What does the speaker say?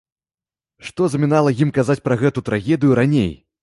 Што замінала ім казаць пра гэту трагедыю раней?